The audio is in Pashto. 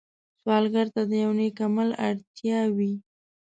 سوالګر ته د یو نېک عمل اړتیا وي